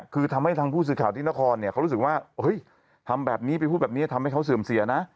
คือทำให้ทางผู้สื่อข่าวที่นครเนี่ยเขารู้สึกว่าทำแบบนี้ไปพูดแบบนี้ทำให้เขาเสื่อมเสียนะ